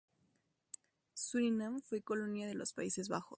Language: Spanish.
Surinam fue colonia de los Países Bajos.